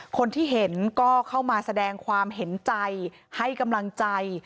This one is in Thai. คนที่เห็นก็เข้ามาแสดงความเห็นใจให้กำลังใจ